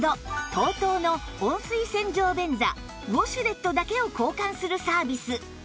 ＴＯＴＯ の温水洗浄便座ウォシュレットだけを交換するサービス